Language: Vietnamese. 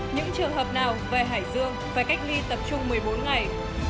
những trường hợp nào về hải dương phải cách ly tập trung một mươi bốn ngày